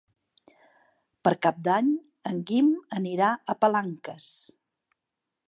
Per Cap d'Any en Guim anirà a Palanques.